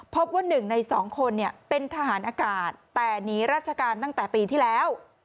พบว่า๑ใน๒คนเป็นทหารอากาศแต่หนีราชการตั้งแต่ปีที่แล้ว